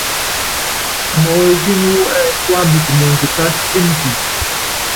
Imɔyítíni wú ɛɛ tuambitɛ mɔɔnd kási énikúlu.